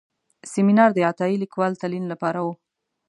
سیمینار د عطایي لیکوال تلین لپاره و.